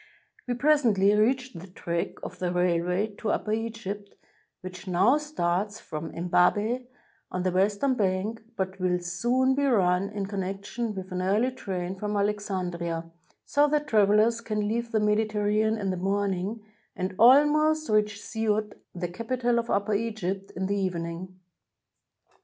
We pres ently reached the track of the railway to Upper Egypt, which now starts from Embabeh, on the western bank, but will soon be run in connection with an early train from Alexandria, so that travelers can leave the Medi terranean LQ the morning and almost reach Siout, the capital of Upper Egypt, in the evening.